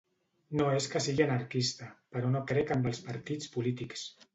No és que sigui anarquista, però no crec amb els partits polítics.